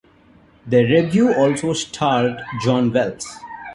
The revue also starred John Wells.